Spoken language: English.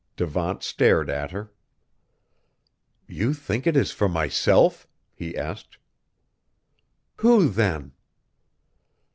Devant stared at her. "You think it is for myself?" he asked. "Who then?"